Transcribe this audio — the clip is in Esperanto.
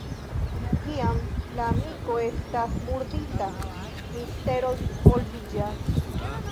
Kiam la amiko estas murdita, mistero disvolviĝas.